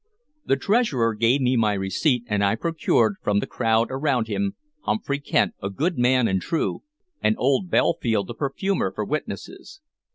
The treasurer gave me my receipt, and I procured, from the crowd around him, Humfrey Kent, a good man and true, and old Belfield, the perfumer, for witnesses.